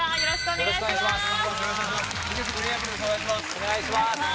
お願いします。